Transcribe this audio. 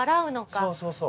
そうそうそう。